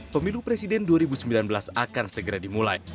pemilu presiden dua ribu sembilan belas akan segera dimulai